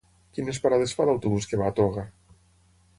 Quines parades fa l'autobús que va a Toga?